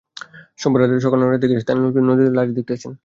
সোমবার সকাল সাড়ে নয়টার দিকে স্থানীয় লোকজন নদীতে লাশ ভাসতে দেখেন।